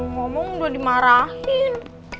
mamang udah dimarahin